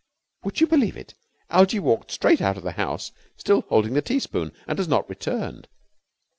Would you believe it? Algie walked straight out of the house, still holding the teaspoon, and has not returned.